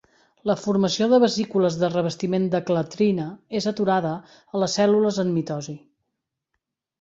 La formació de vesícules de revestiment de clatrina és aturada a les cèl·lules en mitosi.